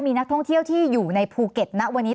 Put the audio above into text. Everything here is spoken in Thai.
มีนักท่องเที่ยวที่อยู่ในภูเก็ตณวันนี้